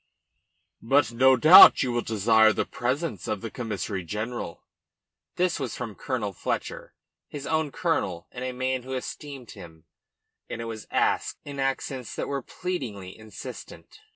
"But no doubt you will desire the presence of the Commissary General?" This was from Colonel Fletcher his own colonel and a man who esteemed him and it was asked in accents that were pleadingly insistent.